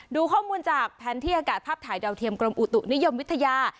ดูข้อมูลจากแผนที่อากาศภาพถ่ายดาวเทียมกรมอุตุนิยมวิทยา